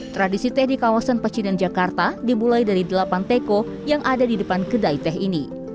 tradisi teh di kawasan pecinan jakarta dimulai dari delapan teko yang ada di depan kedai teh ini